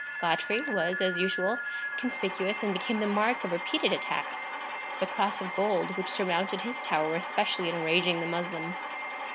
Godfrey was, as usual, conspicuous, and became the mark of repeated attacks, the cross of gold which surmounted his tower especially enraging the Moslem.